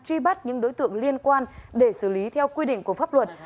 truy bắt những đối tượng liên quan để xử lý theo quy định của pháp luật